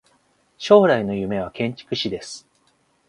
将来の夢は建築士です。